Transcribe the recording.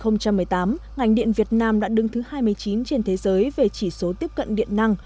năm hai nghìn một mươi tám ngành điện việt nam đã đứng thứ hai mươi chín trên thế giới về chỉ số tiếp cận điện năng